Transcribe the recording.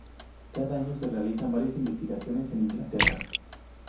Cada año se realizan varias investigaciones en Inglaterra.